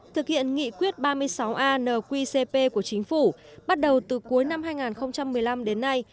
thực hiện nghị quyết ba mươi sáu an nqcp của chính phủ bắt đầu từ cuối năm hai nghìn một mươi năm đến nay